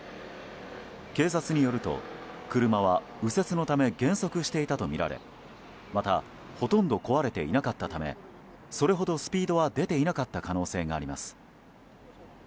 警察によると車は右折のため減速していたとみられまた、ほとんど壊れていなかったためそれほどスピードは出ていなかった可能性があります。